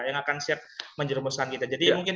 yang akan siap menjerumuskan kita jadi mungkin